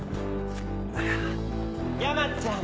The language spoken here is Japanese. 山ちゃん！